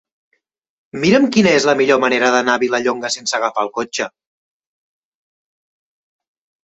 Mira'm quina és la millor manera d'anar a Vilallonga sense agafar el cotxe.